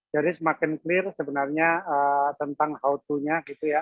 jadi semakin clear sebenarnya tentang how to nya